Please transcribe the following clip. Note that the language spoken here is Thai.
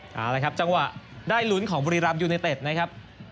เอาละครับจังหวะได้ลุ้นของบุรีรำยูเนเต็ดนะครับ